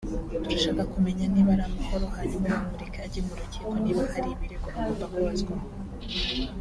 turashaka kumenya niba ari amahoro hanyuma bamureke ajye mu rukiko niba hari ibirego agomba kubazwaho